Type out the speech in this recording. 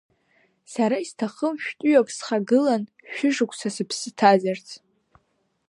Сара исҭахым шә-тәыҩак схагылан шәышықәса сыԥсы ҭазарц.